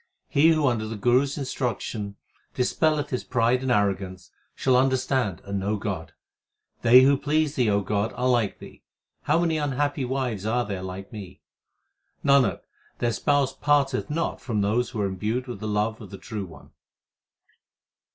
He who under the Guru s instruction dispelleth his pride and arrogance, shall understand and know God. They who please Thee, O God, are like Thee ; how many unhappy wives there are like me : Nanak, their Spouse parteth not from those who are imbued with the love of the True One.